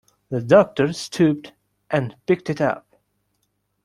The Doctor stooped and picked it up.